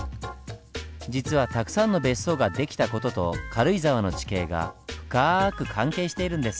実はたくさんの別荘が出来た事と軽井沢の地形が深く関係しているんです。